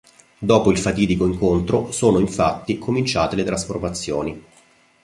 Dopo il fatidico incontro, sono infatti cominciate le trasformazioni.